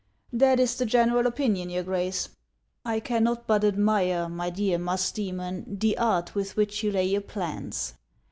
" That is the general opinion, your Grace." " 1 cannot but admire, my dear Musdoemon, the art with which you lay your plans.